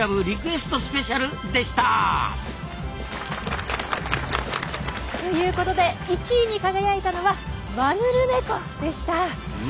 リクエストスペシャル」でした！ということで１位に輝いたのはマヌルネコでした！